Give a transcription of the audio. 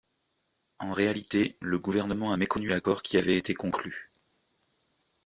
En réalité, le Gouvernement a méconnu l’accord qui avait été conclu.